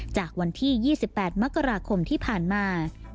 จากวันที่๒๘มกราคมที่ผ่านมา